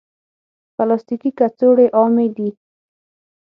پلاستيکي کڅوړې عامې دي.